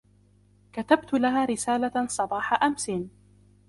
كتبت لها رسالةً صباح أمس.